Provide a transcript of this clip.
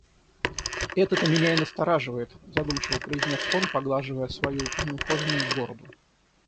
«Это-то меня и настораживает», — задумчиво произнес он, поглаживая свою неухоженную бороду.